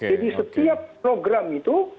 jadi setiap program itu